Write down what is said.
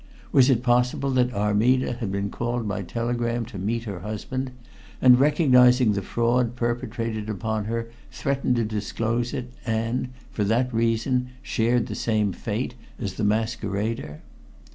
Was it possible that Armida had been called by telegram to meet her husband, and recognizing the fraud perpetrated upon her threatened to disclose it and, for that reason, shared the same fate as the masquerader?